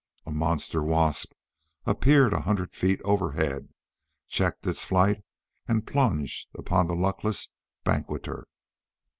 A monster wasp appeared a hundred feet overhead, checked in its flight, and plunged upon the luckless banqueter.